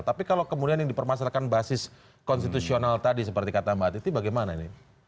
tapi kalau kemudian yang dipermasalahkan basis konstitusional tadi seperti kata mbak titi bagaimana ini